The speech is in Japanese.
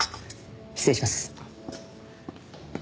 失礼します。